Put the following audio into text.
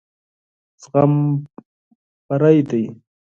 زغم بري دی.